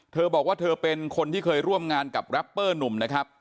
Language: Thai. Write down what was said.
เธอบอกว่าเธอเป็นคนที่เคยร่วมงานกับแรปเปอร์หนุ่มนะครับ